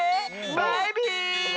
バイビー！